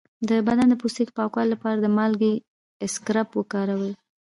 د بدن د پوستکي د پاکولو لپاره د مالګې اسکراب وکاروئ